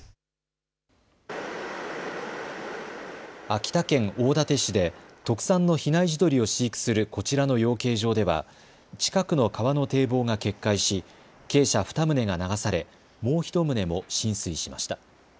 秋田県大館市で特産の比内地鶏を飼育するこちらの養鶏場では近くの川の堤防が決壊し鶏舎２棟が流されもう１棟も浸水しました。